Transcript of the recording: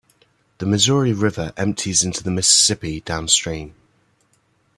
The Missouri River empties into the Mississippi downstream.